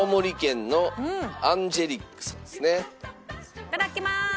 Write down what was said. いただきまーす！